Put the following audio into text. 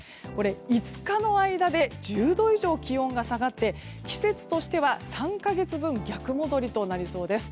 ５日の間で１０度以上、気温が下がって季節としては、３か月分逆戻りとなりそうです。